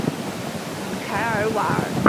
伊凯尔瓦尔。